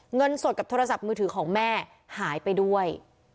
เงินสดกับโทรศัพท์มือถือของแม่หายไปด้วย